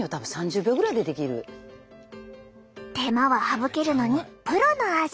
手間は省けるのにプロの味！